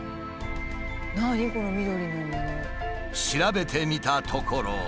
調べてみたところ。